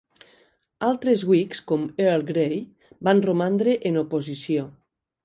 Altres Whigs com Earl Grey, van romandre en oposició.